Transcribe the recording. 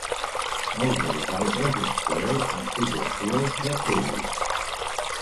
Molts de vosaltres us trobeu en situació de fer-ho.